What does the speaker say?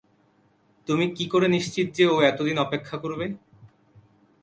তুমি কীকরে নিশ্চিত যে ও এতদিন অপেক্ষা করবে?